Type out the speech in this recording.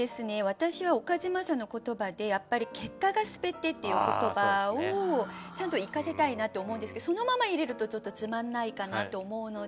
私は岡島さんの言葉でやっぱり「結果が全て」っていう言葉をちゃんと生かしたいなって思うんですけどそのまま入れるとちょっとつまんないかなと思うので。